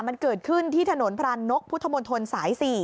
มันเกิดขึ้นที่ถนนพรานนกพุทธมนตรสาย๔